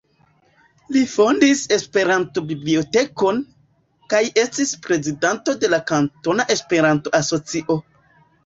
Li fondis Esperanto-bibliotekon, kaj estis prezidanto de Kantona Esperanto-Asocio.